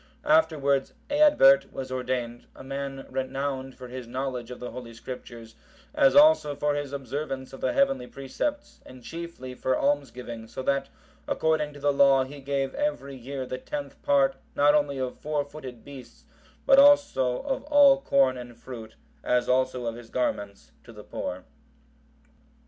Afterwards Eadbert(762) was ordained, a man renowned for his knowledge of the Holy Scriptures, as also for his observance of the heavenly precepts, and chiefly for almsgiving, so that, according to the law, he gave every year the tenth part, not only of four footed beasts, but also of all corn and fruit, as also of his garments, to the poor.